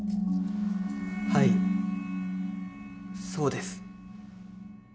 はいそうです。